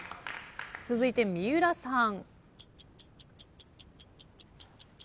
続いて三浦さん。